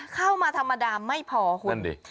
เข้ามาธรรมดาไม่พอคุณ